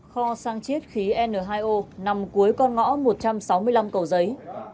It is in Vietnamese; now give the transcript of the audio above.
kho sang chiết khí n hai o nằm cuối con ngõ một trăm sáu mươi năm cầu giấy